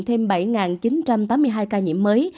thêm bảy chín trăm tám mươi hai ca nhiễm mới